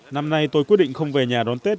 năm nay tôi quyết định không về nhà đón tết